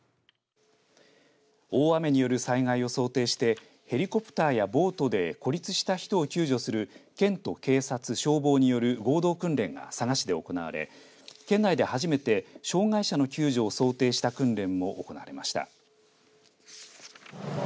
大雨による災害を想定してヘリコプターやボートで孤立した人を救助する県と警察、消防による合同訓練が佐賀市で行われ県内で初めて障害者の救助を想定した訓練も行われました。